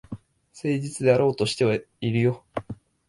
誠実であろうとはしてるよ。